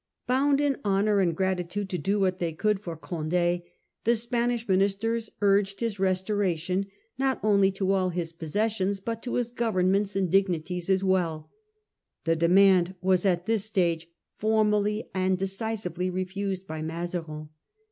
Bound in honour and gratitude to do what they could for Conde, the Spanish ministers urged his restoration, not only to all his possessions, but to his governments and dignities as well. The demand was at this stage formally and decisively refused by Mazarin.